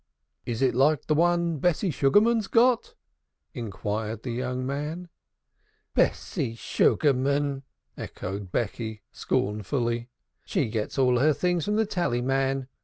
"Is it like the one Bessie Sugarman's got?" inquired the young man. "Bessie Sugarman!" echoed Becky scornfully. "She gets all her things from the tallyman.